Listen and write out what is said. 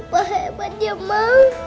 papa hebat ya mama